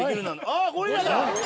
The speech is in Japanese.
あっゴリラだ！